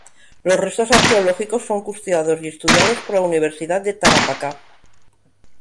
Los restos arqueológicos son custodiados y estudiados por la Universidad de Tarapacá.